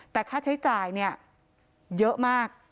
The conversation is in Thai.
แต่ค่าใช้จ่ายเยอะมาก